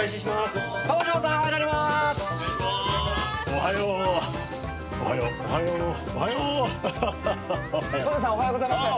東條さんおはようございます。